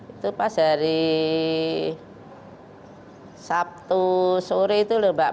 itu pas dari sabtu sore itu loh mbak